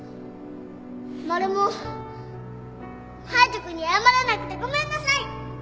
マルモ隼人君に謝らなくてごめんなさい。